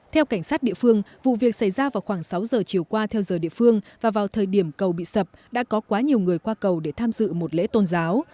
theo cảnh sát địa phương vụ việc xảy ra vào khoảng sáu giờ chiều qua theo giờ địa phương và vào thời điểm cầu bị sập đã có quá nhiều người qua cầu để tham dự một lễ tôn giáo